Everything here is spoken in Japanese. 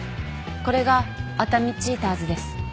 これが熱海チーターズです。